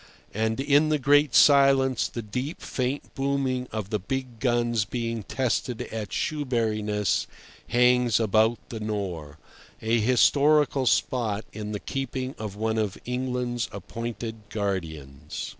And in the great silence the deep, faint booming of the big guns being tested at Shoeburyness hangs about the Nore—a historical spot in the keeping of one of England's appointed guardians.